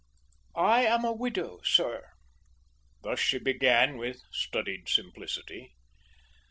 "I am a widow, sir." Thus she began with studied simplicity.